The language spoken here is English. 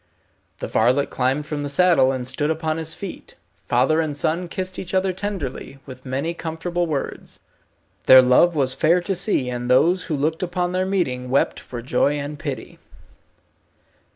The varlet climbed from the saddle, and stood upon his feet. Father and son kissed each other tenderly, with many comfortable words. Their love was fair to see, and those who looked upon their meeting, wept for joy and pity.